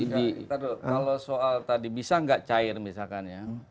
kalau soal tadi bisa nggak cair misalkan ya